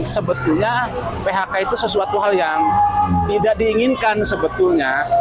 sebetulnya phk itu sesuatu hal yang tidak diinginkan sebetulnya